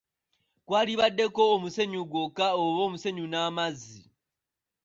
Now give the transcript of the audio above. Kwalibaddeko omusenyu gwokka oba omusenyu n’amazzi.